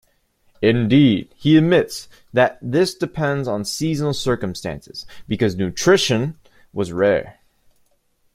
Indeed, he admits that this depends on seasonal circumstances, because nutrition was rare.